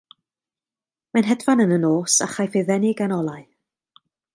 Mae'n hedfan yn y nos a chaiff ei ddenu gan olau.